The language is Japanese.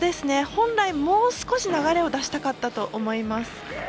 本来、もう少し流れを出したかったと思います。